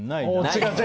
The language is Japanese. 違う！